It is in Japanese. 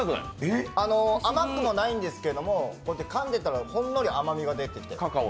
甘くもないんですけれども、かんでたらほんのり甘みも出て。